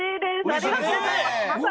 ありがとうございます。